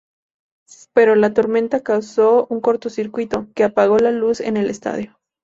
Pero la tormenta causó un cortocircuito, que apagó la luz en el estadio.